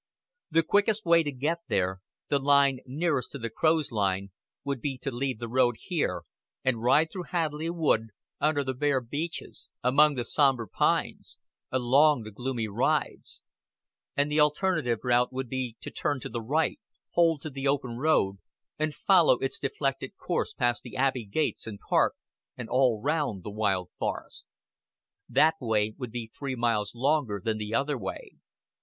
The quickest way to get there, the line nearest to the crow's line, would be to leave the road here and ride through Hadleigh Wood, under the bare beeches, among the somber pines, along the gloomy rides; and the alternative route would be to turn to the right, hold to the open road, and follow its deflected course past the Abbey gates and park, and all round the wild forest. That way would be three miles longer than the other way.